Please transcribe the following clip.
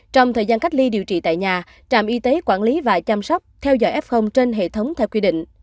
trong thời gian cách ly điều trị tại nhà trạm y tế quản lý và chăm sóc theo dõi f trên hệ thống theo quy định